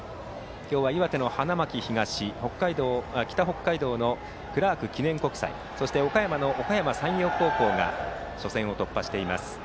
今日は岩手の花巻東北北海道のクラーク記念国際そして岡山のおかやま山陽高校が初戦を突破しています。